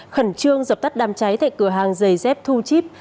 khẩn trương dập tắt đàm cháy tại cửa hàng giày dép thu chíp